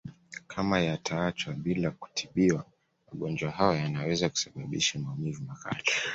Kama yataachwa bila kutibiwa magonjwa hayo yanaweza kusababisha maumivu makali